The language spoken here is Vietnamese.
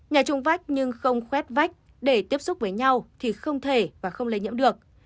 nhà trung vách nhưng không khuét vách để tiếp xúc với nhau thì không thể và không lây nhiễm được